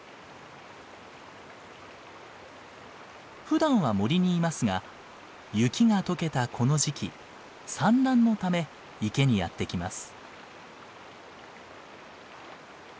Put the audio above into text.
ふだんは森にいますが雪が解けたこの時期産卵のため池にやって来ます。